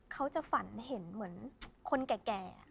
เขาจะฝันเห็นเหมือนคนแก่